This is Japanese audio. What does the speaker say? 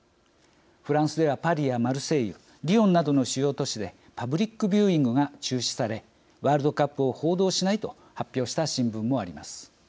フランスではパリやマルセイユ、リヨンなどの主要都市でパブリックビューイングが中止され、ワールドカップを報道しないと発表した新聞もあります。